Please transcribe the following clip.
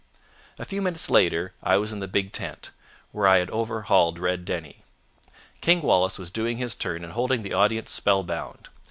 A few minutes later I was in the big tent, where I had overhauled Red Denny. King Wallace was doing his turn and holding the audience spellbound.